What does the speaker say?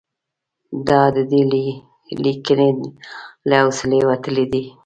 دا د دې لیکنې له حوصلې وتلي دي.